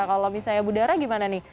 kalau misalnya budara gimana nih